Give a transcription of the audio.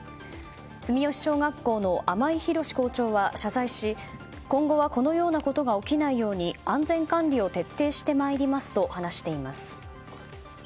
住吉小学校の天井弘校長は謝罪し今後はこのようなことが起きないように安全管理を徹底してまいりますと話しています。